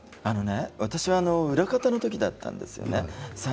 私は裏方の時だったんです。